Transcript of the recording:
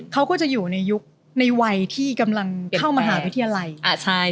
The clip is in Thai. เขาก็จะอยู่ในยุคในวัยที่กำลังเข้ามหาวิทยาลัย